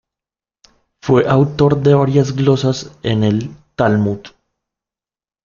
Fue autor de varias glosas en el "Talmud".